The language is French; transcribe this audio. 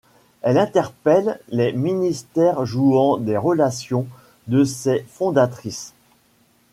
Elle interpelle les ministères, jouant des relations de ses fondatrices.